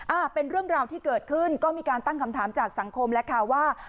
อ่าเป็นเรื่องราวที่เกิดขึ้นก็มีการตั้งคำถามจากสังคมแล้วค่ะว่า